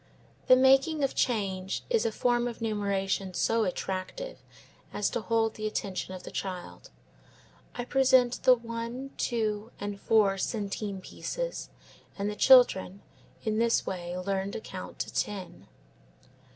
The making of change is a form of numeration so attractive as to hold the attention of the child. I present the one, two, and four centime pieces and the children, in this way learn to count to ten.